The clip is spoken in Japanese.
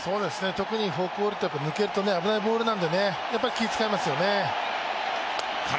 特にフォークボールは抜けると危ないボールなのでやっぱり気つかいますよね。